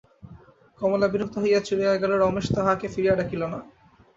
কমলা বিরক্ত হইয়া চলিয়া গেলে রমেশ তাহাকে ফিরিয়া ডাকিল না।